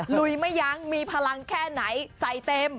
ลุยไม่ยั้งมีพลังแค่ไหนใส่เต็ม